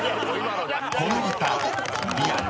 ［この歌リアル？